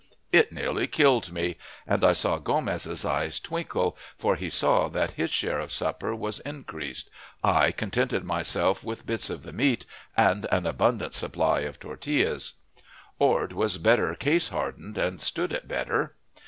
It nearly killed me, and I saw Gomez's eyes twinkle, for he saw that his share of supper was increased. I contented myself with bits of the meat, and an abundant supply of tortillas. Ord was better case hardened, and stood it better.